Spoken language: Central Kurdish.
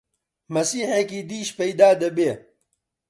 مەسیحێکی دیش پەیدا دەبێ!